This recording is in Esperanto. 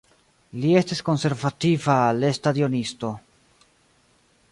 Li estis konservativa lestadionisto.